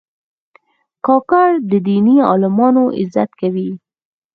کاکړ د دیني عالمانو عزت کوي.